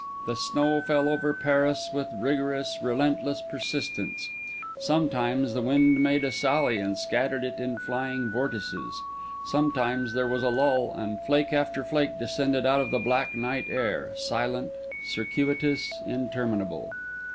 The snow fell over Paris with rigorous, relentless persistence; sometimes the wind made a sally and scattered it in flying vortices; sometimes there was a lull, and flake after flake descended out of the black night air, silent, circuitous, interminable.